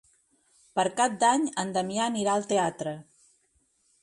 Per Cap d'Any en Damià anirà al teatre.